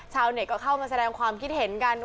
ชาวเน็ตก็เข้ามาแสดงความคิดเห็นกัน